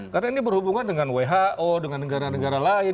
karena ini berhubungan dengan who dengan negara negara lain